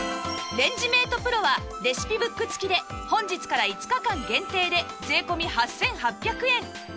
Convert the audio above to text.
レンジメート ＰＲＯ はレシピブック付きで本日から５日間限定で税込８８００円